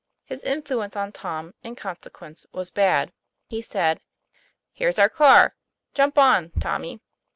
His influence on Tom, in consequence, was bad. He said: "Here's our car; jump on, Tommy."